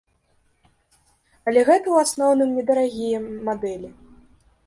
Але гэта ў асноўным недарагія мадэлі.